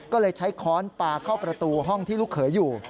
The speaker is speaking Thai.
ก็เลยใช้ค้อนปลาเข้าประตูห้องที่ลูกเขยอยู่